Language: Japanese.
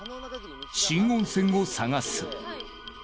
新温泉を探す。